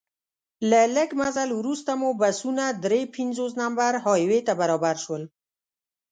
له لږ مزل وروسته مو بسونه درې پنځوس نمبر های وې ته برابر شول.